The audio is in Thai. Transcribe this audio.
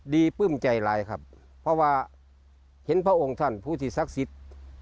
ปลื้มใจร้ายครับเพราะว่าเห็นพระองค์ท่านผู้ที่ศักดิ์สิทธิ์